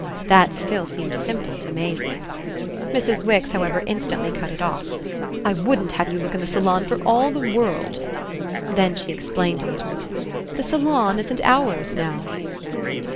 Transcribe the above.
That still seemed simple to Maisie. Mrs. Wix, however, instantly cut it off. "I wouldn't have you look in the salon for all the world!" Then she explained a little: "The salon isn't ours now."